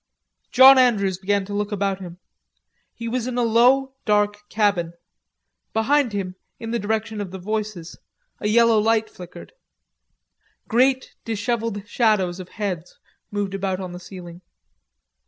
John Andrews began to look about him. He was in a dark low cabin. Behind him, in the direction of the voices, a yellow light flickered. Great dishevelled shadows of heads moved about on the ceiling.